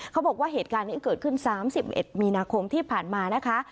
เขาบอกว่าเหตุการณ์นี้เกิดขึ้น๓๑มีนาคมที่ผ่านมานะคะ